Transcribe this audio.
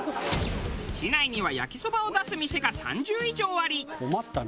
市内には焼きそばを出す店が３０以上あり。